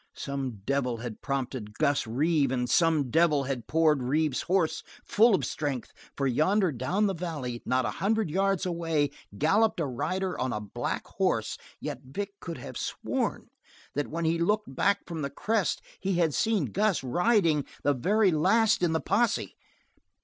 Some devil had prompted Gus Reeve and some devil had poured Reeve's horse full of strength, for yonder down the valley, not a hundred yards away, galloped a rider on a black horse; yet Vic could have sworn that when he looked back from the crest he had seen Gus riding the very last in the posse.